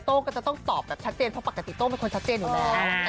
ก็จะต้องตอบแบบชัดเจนเพราะปกติโต้เป็นคนชัดเจนอยู่แล้ว